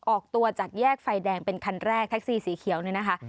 ออกตัวจากแยกไฟแดงเป็นคันแรกแท็กซี่สีเขียวเนี่ยนะคะ